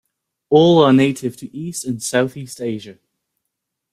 All are native to east and southeast Asia.